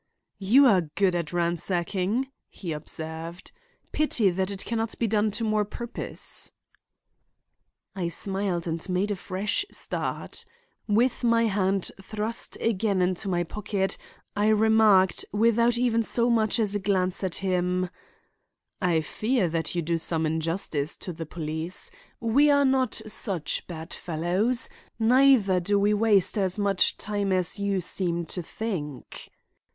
"You are good at ransacking," he observed; "pity that it can not be done to more purpose." I smiled and made a fresh start. With my hand thrust again into my pocket, I remarked, without even so much as a glance at him: "I fear that you do some injustice to the police. We are not such bad fellows; neither do we waste as much time as you seem to think."